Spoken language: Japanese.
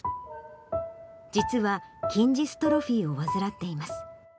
実は筋ジストロフィーを患っています。